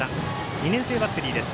２年生バッテリーです